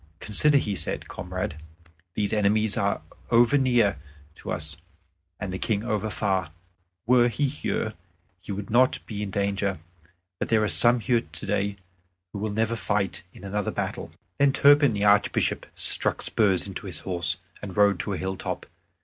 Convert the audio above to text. "Consider," he said, "comrade. These enemies are over near to us, and the King over far. Were he here, we should not be in danger; but there are some here today who will never fight in another battle." Then Turpin the Archbishop struck spurs into his horse, and rode to a hilltop.